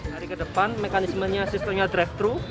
hari ke depan mekanismenya sistemnya drive thru